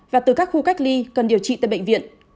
và từ các khu cách ly cần điều trị tại bệnh viện